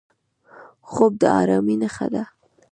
خوب د ارامۍ نښه ده